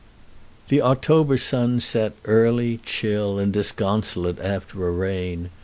The October sun set early, chill, and disconsolate after a rain.